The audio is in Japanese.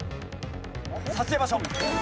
撮影場所。